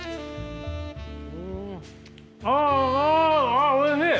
ああおいしい！